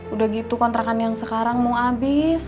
udah gitu kontrakan yang sekarang mau habis